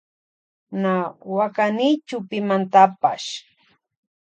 Na wakanichu pimantapash.